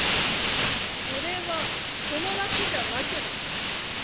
それは友達じゃなくない？